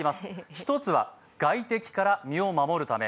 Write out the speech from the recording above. １つは外敵から身を守るため。